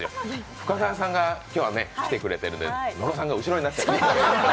深川さんが今日は来てくれているので野呂さんが後ろになっちゃいました。